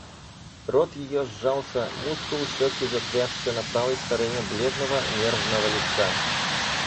Рот ее сжался, мускул щеки затрясся на правой стороне бледного, нервного лица.